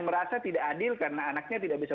merasa tidak adil karena anaknya tidak bisa